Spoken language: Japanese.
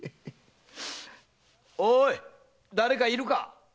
おい誰かいるか？